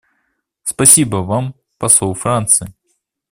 Спасибо Вам, посол Франции.